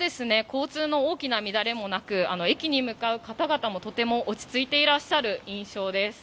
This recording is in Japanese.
交通の大きな乱れもなく、駅に向かう方々もとても落ち着いていらっしゃる印象です。